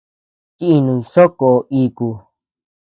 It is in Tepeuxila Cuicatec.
Chinuñ soʼö ko iku.